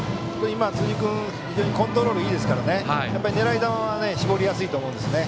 今、辻君非常にコントロールいいですから狙い球は絞りやすいと思うんです。